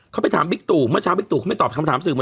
เขาไปถามบิ๊กตู่เมื่อเช้าบิ๊กตูเขาไม่ตอบคำถามสื่อมา